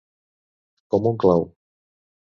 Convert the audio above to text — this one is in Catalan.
Com un clau.